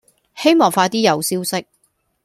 希望快啲有消息